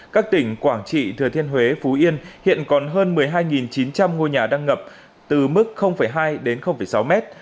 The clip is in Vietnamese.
các tỉnh quảng trị thừa thiên huế phú yên hiện còn hơn một mươi hai chín trăm linh ngôi nhà đang ngập từ mức hai đến sáu mét